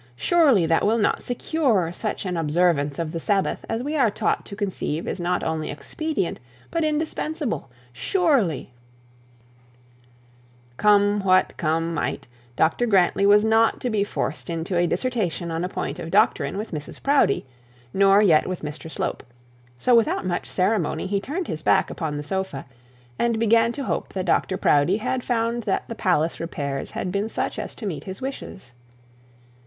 Surely that will not secure such an observance of the Sabbath as we are taught to conceive is not only expedient by indispensable; surely ' Come what come might, Dr Grantly was not to be forced into a dissertation on a point of doctrine with Mrs Proudie, nor yet with Mr Slope; so without much ceremony he turned his back upon the sofa, and began to hope that Dr Proudie had found the palace repairs had been such as to meet his wishes.